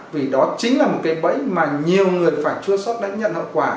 vì đó chính là một cái bẫy mà nhiều người phải chua sót đánh nhận hậu quả